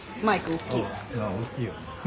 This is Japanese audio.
大きいよ。